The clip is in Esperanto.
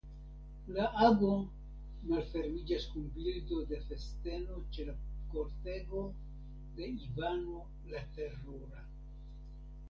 La ago malfermiĝas kun bildo de festeno ĉe la kortego de Ivano la Terura.